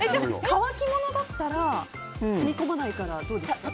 乾き物だったら染み込まないからどうですか？